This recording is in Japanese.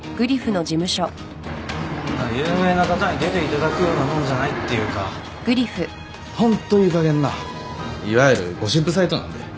そんな有名な方に出ていただくようなもんじゃないっていうかホントいいかげんないわゆるゴシップサイトなんで。